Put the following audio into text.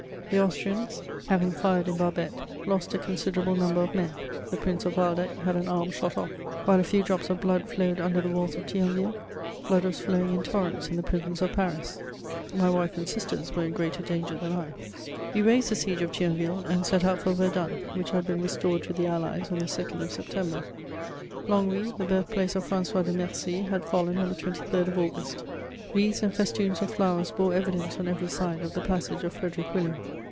The Austrians, having fired in barbette, lost a considerable number of men; the Prince of Waldeck had an arm shot off. While a few drops of blood flowed under the walls of Thionville, blood was flowing in torrents in the prisons of Paris: my wife and sisters were in greater danger than I. * We raised the siege of Thionville and set out for Verdun, which had been restored to the Allies on the 2nd of September. Longwy, the birthplace of François de Mercy, had fallen on the 23rd of August. Wreaths and festoons of flowers bore evidence on every side of the passage of Frederic William.